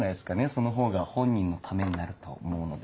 その方が本人のためになると思うので。